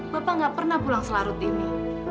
bapak nggak pernah pulang selarut ini